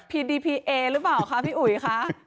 ดีพีเอหรือเปล่าคะพี่อุ๋ยคะ